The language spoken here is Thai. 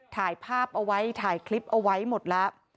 ถ่ายภาพเอาไว้ถ่ายคลิปเอาไว้หมดแล้ว